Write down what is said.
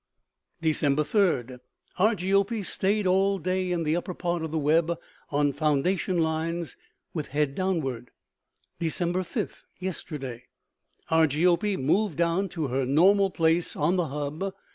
"Dec. 3; Argiope stayed all day in the upper part of the web, on foundation lines, with head downward. "Dec. 5; yesterday Argiope moved down to her normal place on the hub.